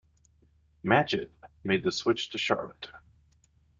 Matchett made the switch to Charlotte.